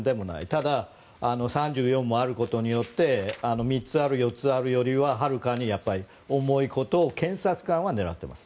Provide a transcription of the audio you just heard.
ただ、３４もあることによって３つある４つあるよりははるかに重いことを検察官は狙っています。